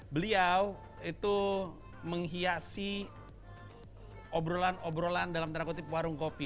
beliau itu menghiasi obrolan obrolan dalam ternakotip warung kopi